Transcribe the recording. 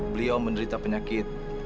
beliau menderita penyakit